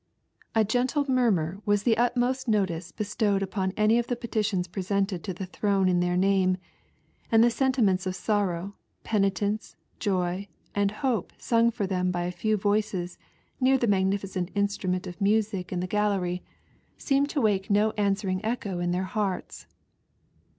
,A gentle mmTnur was the utmost notice bestowed a any of the petitions presented to the throne in name, and the sentiments of sorrow, penitence, [oy, and hope song for them by a few voices near the magnificent instrnment of mudc in the gal lery, Heemed to wake no answering echo in their hearts.